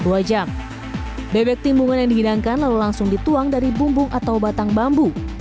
dua jam bebek timbungan yang dihidangkan lalu langsung dituang dari bumbung atau batang bambu